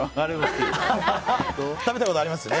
食べたことありますよね。